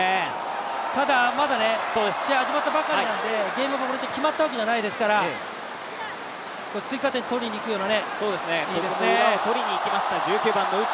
ただ、まだ試合始まったばかりなのでゲームがこれで決まったわけじゃないですから追加点取りにいくような。